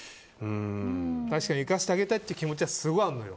確かに行かせてあげたい気持ちはすごいあるのよ。